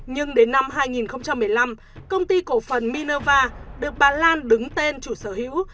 nhưng đến năm hai nghìn một mươi năm công ty cổ phần minova được bà lan đứng tên chủ sở hữu